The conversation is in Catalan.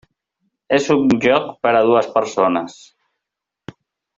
És un joc per a dues persones.